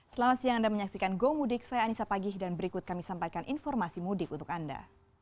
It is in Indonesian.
selamat siang anda menyaksikan go mudik saya anissa pagih dan berikut kami sampaikan informasi mudik untuk anda